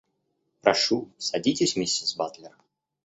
Прошу, садитесь, миссис Батлер.